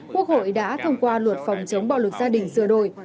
quốc hội đã thông qua luật phòng chống bạo lực gia đình sửa đổi